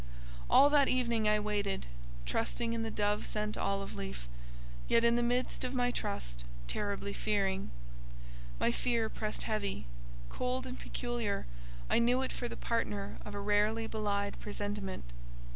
All that evening I waited, trusting in the dove sent olive leaf, yet in the midst of my trust, terribly fearing. My fear pressed heavy. Cold and peculiar, I knew it for the partner of a rarely belied presentiment.